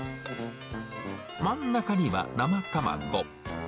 真ん中には生卵。